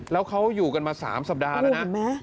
แล้วเขาอยู่กันมา๓สัปดาห์แล้วนะ